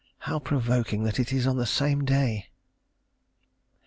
How provoking that it is on the same day....